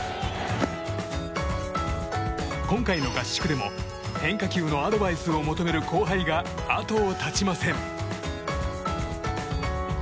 今回の合宿でも変化球のアドバイスを求める後輩が後を絶ちません。